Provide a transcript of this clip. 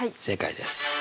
正解です。